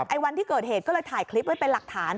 วันที่เกิดเหตุก็เลยถ่ายคลิปไว้เป็นหลักฐาน